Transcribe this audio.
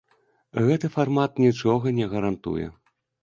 Гэты фармат нічога не гарантуе.